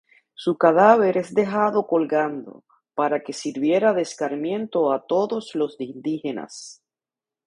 Su cadáver es dejado colgando, para que sirviera de escarmiento a todos los indígenas.